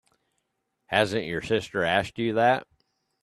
Hasn't your sister asked you that?